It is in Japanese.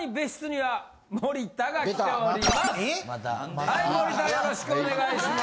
はい森田よろしくお願いします。